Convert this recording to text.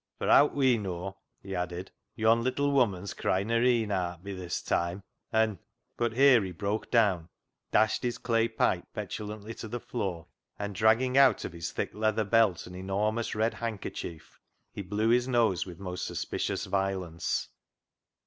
For owt we knaw," he added, " yon little woman's cryin' her een aat bi this time, an'" — But here he broke down, dashed his clay pipe petulantly to the floor, and dragging out of his thick leather belt an enormous red handkerchief, he blew his nose with most suspicious violence.